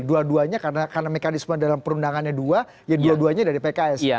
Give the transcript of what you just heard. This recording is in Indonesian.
dua duanya karena mekanisme dalam perundangannya dua ya dua duanya dari pks